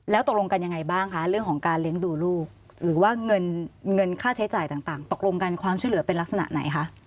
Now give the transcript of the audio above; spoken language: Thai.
แล้วตกลงกันยังไงบ้างคะเรื่องของการเลี้ยงดูลูกหรือว่าเงินค่าใช้จ่ายต่างตกลงกันความช่วยเหลือเป็นลักษณะไหนคะ